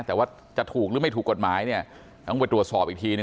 แต่ว่าจะถูกหรือไม่ถูกกฎหมายเนี่ยต้องไปตรวจสอบอีกทีนึ